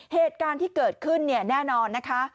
เหตุการณ์ที่เกิดขึ้นเนี่ยแน่นอนนะคะ